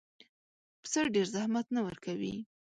پسه ډېر زحمت نه ورکوي.